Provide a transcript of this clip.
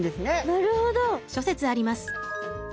なるほど。